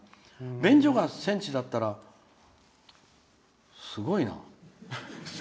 便所が「せんち」だったらすごいな。